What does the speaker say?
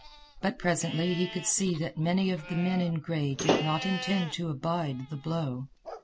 But presently he could see that many of the men in gray did not intend to abide the blow.